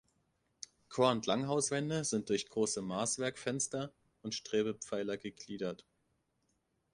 Chor- und Langhauswände sind durch große Maßwerkfenster und Strebepfeiler gegliedert.